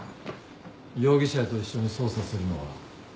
容疑者と一緒に捜査するのは。